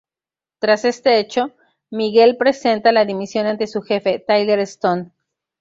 Tras este hecho, Miguel presenta la dimisión ante su jefe, Tyler Stone.